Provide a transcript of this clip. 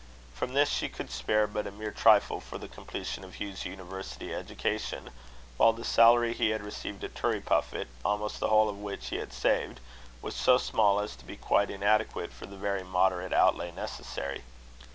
From this she could spare but a mere trifle for the completion of Hugh's university education; while the salary he had received at Turriepuffit, almost the whole of which he had saved, was so small as to be quite inadequate for the very moderate outlay necessary.